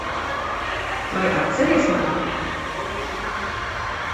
Vai atceries mani?